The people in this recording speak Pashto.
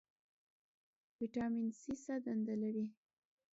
ویټامین سي څه دنده لري؟